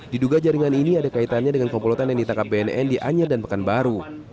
diduga jaringan ini ada kaitannya dengan kompulotan yang ditangkap bnn di anyar dan pekanbaru